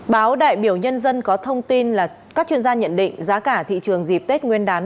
báo đại biểu nhân dân có thông tin là các chuyên gia nhận định giá cả thị trường dịp tết nguyên đán